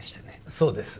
そうです